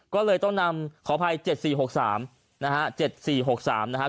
ก็เลยต้องนำขออภัย๗๔๖๓นะฮะ๗๔๖๓นะครับ